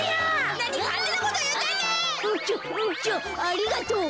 ありがとう。